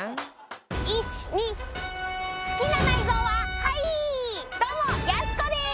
１２！どうもやす子です！